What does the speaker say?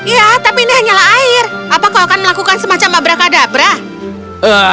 ya tapi ini hanyalah air apa kau akan melakukan semacam mabrakadabra